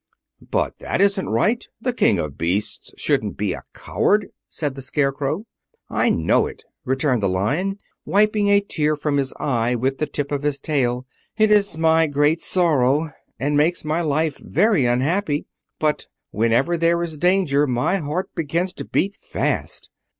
"But that isn't right. The King of Beasts shouldn't be a coward," said the Scarecrow. "I know it," returned the Lion, wiping a tear from his eye with the tip of his tail. "It is my great sorrow, and makes my life very unhappy. But whenever there is danger, my heart begins to beat fast."